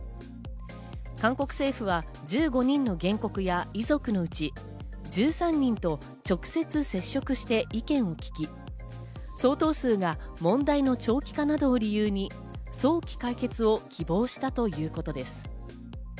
韓国政府は１５人の原告や遺族のうち、１３人と直接接触して意見を聞き、相当数が問題の長期化などを理由に早期解決を希望したということです。